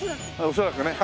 恐らくね。